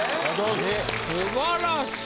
素晴らしい。